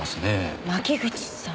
牧口さん。